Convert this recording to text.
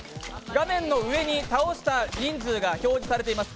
画面の上に倒した人数が表示されています。